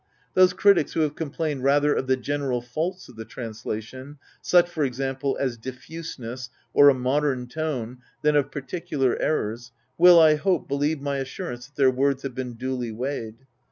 Those critics who have complained rather of the general faults of the translation — ^such, ^.^., as diffuseness, or a modem tone — than of particular errors, will, I hope, believe my assurance that their words have been duly weighed.